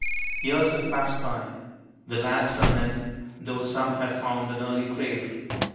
Years have passed by. The lads are men, though some have found an early grave.